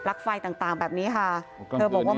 มีแต่เสียงตุ๊กแก่กลางคืนไม่กล้าเข้าห้องน้ำด้วยซ้ำ